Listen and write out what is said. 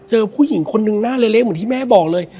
ผู้หญิงคนนึงหน้าเละเหมือนที่แม่บอกเลย